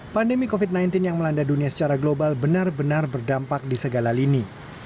pandemi covid sembilan belas yang melanda dunia secara global benar benar berdampak di segala lini